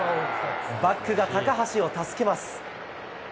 バックが高橋を助けます。